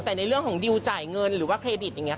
แต่ในเรื่องของดิวจ่ายเงินหรือว่าเครดิตอย่างนี้